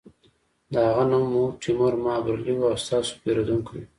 د هغه نوم مورټیمر مابرلي و او ستاسو پیرودونکی و